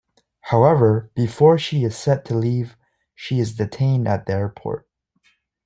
However, before she is set to leave, she is detained at the airport.